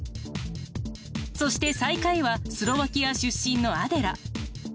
そして最下位はスロバキア出身のアデラ。